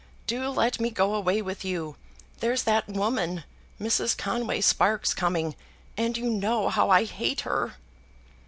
"Do let me go away with you. There's that woman, Mrs. Conway Sparkes, coming, and you know how I hate her."